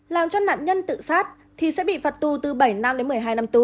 làm cho nạn nhân tự sát thì sẽ bị phạt tù từ bảy năm đến một mươi hai năm tù